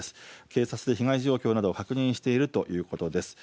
警察で被害状況などを確認しているということです。